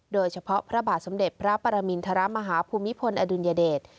โดยเฉพาะพระบาทสมเด็จพระปรมินทรมาฮภูมิพลอดุลยเดช